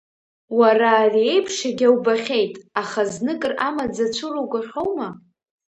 Уара ари еиԥш егьа убахьеит, аха зныкыр амаӡа цәыругахьоума?